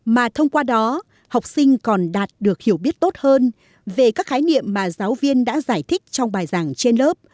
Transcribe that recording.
mà thông qua đó học sinh còn đạt được hiểu biết tốt hơn về các khái niệm mà giáo viên đã giải thích trong bài giảng trên lớp